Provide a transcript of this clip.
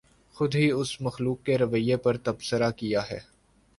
خود ہی اس مخلوق کے رویے پر تبصرہ کیاہے